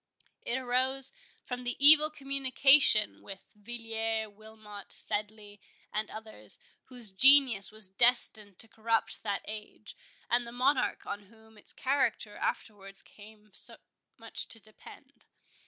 It arose from the evil communication with Villiers, Wilmot, Sedley, and others, whose genius was destined to corrupt that age, and the Monarch on whom its character afterwards came so much to depend.